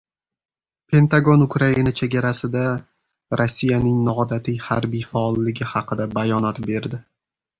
Pentagon Ukraina chegarasida "Rossiyaning noodatiy harbiy faolligi" haqida bayonot berdi